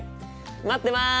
待ってます！